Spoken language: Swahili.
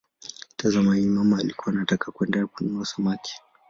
Tazama hii: "mama alikuwa anataka kwenda kununua samaki".